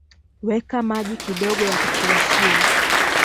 weka maji kidogo ya kuchemshia